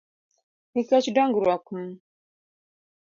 Nikech dongruok m